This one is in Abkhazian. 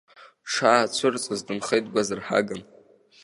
Дшаацәырҵыз дынхеит дгәазырҳаган.